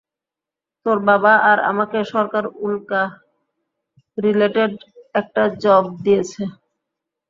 তোর বাবা আর আমাকে সরকার উল্কা রিলেটেড একটা জব দিয়েছে।